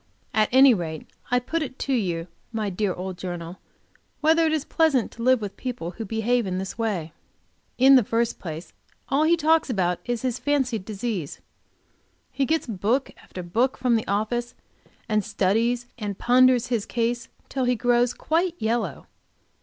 At any rate I put it to you, my dear old journal, whether it is pleasant to live with people who behave in this way? In the first place all he talks about is his fancied disease. He gets book after book from the office and studies and ponders his case till he grows quite yellow.